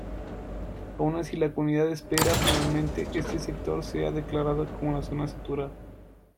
Aun así la comunidad espera que finalmente este sector sea declarada como zona saturada.